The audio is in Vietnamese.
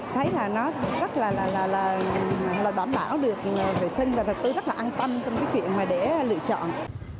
thấy là nó rất là đảm bảo được vệ sinh và tôi rất là an toàn trong cái việc mà để lựa chọn